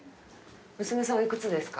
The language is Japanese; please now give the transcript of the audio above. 娘さんお幾つですか？